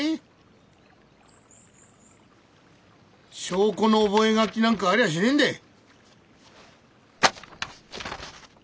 証拠の覚書なんかありゃしねえんだい。